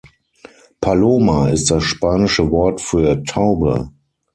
Paloma ist das spanische Wort für Taube.